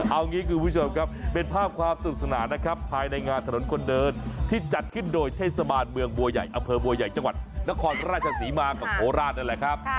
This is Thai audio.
เอางี้คุณผู้ชมครับเป็นภาพความสุขสนานนะครับภายในงานถนนคนเดินที่จัดขึ้นโดยเทศบาลเมืองบัวใหญ่อำเภอบัวใหญ่จังหวัดนครราชศรีมากับโคราชนั่นแหละครับ